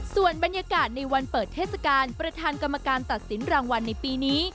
ส่วนบรรยากาศในวันเปิดเทศกาลประธานกรรมการตัดสินรางวัลในปีนี้